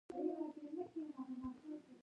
د قضایي خوندیتوب پلور ته یې مخه کړه.